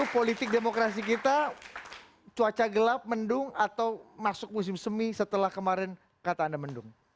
dua ribu dua puluh politik demokrasi kita cuaca gelap mendung atau masuk musim semi setelah kemarin kata anda mendung